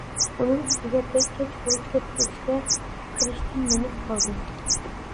ئۇنىڭ ئۈستىگە بەك كەچ بولۇپ كەتكەچكە كىرىشتىن نومۇس قىلدى.